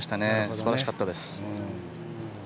素晴らしかったです。